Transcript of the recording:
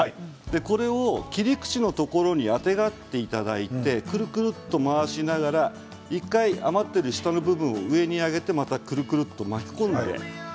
それを切り口のところに当てがっていただいてくるくる回しながら余っている下の部分を上に上げてまたくるくると巻き込んであげる。